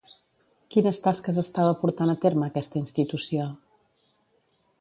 Quines tasques estava portant a terme aquesta institució?